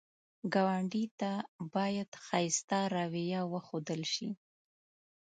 ګاونډي ته باید ښایسته رویه وښودل شي